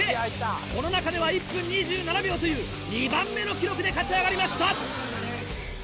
この中では１分２７秒という２番目の記録で勝ち上がりました。